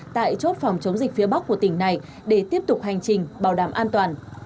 tại chốt phòng chống dịch phía bắc của tỉnh này để tiếp tục hành trình bảo đảm an toàn